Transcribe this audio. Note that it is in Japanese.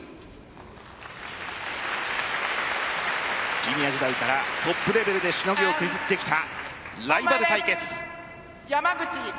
ジュニア時代からトップレベルでしのぎを削ってきたライバル対決。